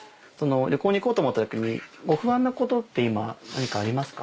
旅行に行こうと思った時にご不安なことって今何かありますか？